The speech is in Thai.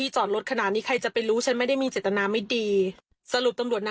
จนตกใจพี่ผู้ชายก็พูดว่า